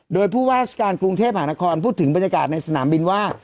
โดยผู้ว่าราชการกรุงเทพหานครพูดถึงบรรยากาศในสนามบินว่า